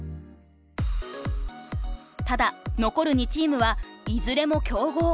ただ残る２チームはいずれも強豪。